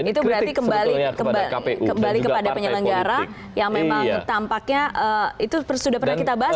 itu sudah pernah kita bahas